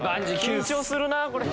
緊張するなこれ。